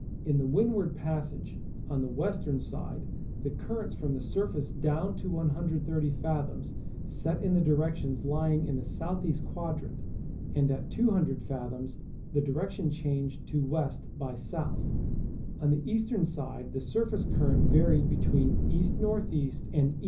In the Windward Passage, on the western side the currents from the surface down to 130 fathoms set in the directions lying in the S. E. quadrant, and at 200 fathoms the direction changed to W. by S. On the eastern side the surface current varied be tween E. N. E. and E.